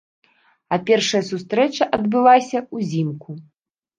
А першая сустрэча адбылася ўзімку.